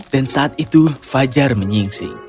dan saat itu fajar menyingsing